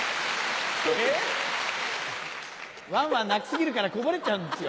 「ワンワン」鳴き過ぎるからこぼれちゃうんですよ。